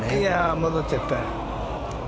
戻っちゃった。